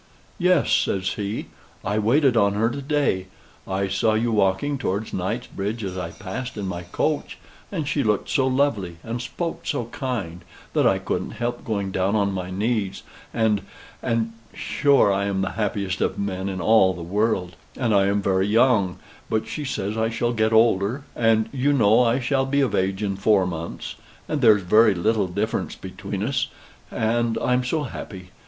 "Yes," says he; "I waited on her to day. I saw you walking towards Knightsbridge as I passed in my coach; and she looked so lovely, and spoke so kind, that I couldn't help going down on my knees, and and sure I am the happiest of men in all the world; and I'm very young; but she says I shall get older: and you know I shall be of age in four months; and there's very little difference between us; and I'm so happy.